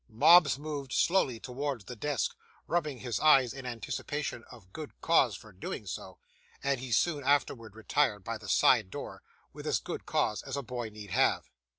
Mobbs moved slowly towards the desk, rubbing his eyes in anticipation of good cause for doing so; and he soon afterwards retired by the side door, with as good cause as a boy need have.